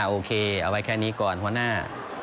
โอเคเอาไว้แค่นี้ก่อนหัวหน้า